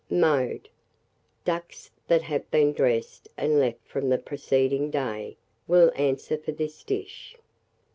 Mode. Ducks that have been dressed and left from the preceding day will answer for this dish.